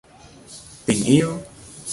tình yêu